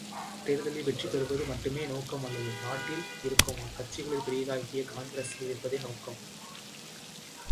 தேர்தலில் வெற்றி பெறுவது மட்டுமே நோக்கம் அல்லது நாட்டில் இருக்கும் கட்சிகளுள் பெரியதாகிய காங்கிரசை எதிர்ப்பதே நோக்கம்.